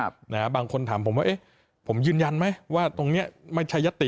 บางคนถามผมว่าเอ๊ะผมยืนยันไหมว่าตรงเนี้ยไม่ใช่ยัตติ